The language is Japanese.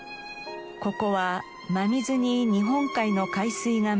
ここは真水に日本海の海水が混じる湖。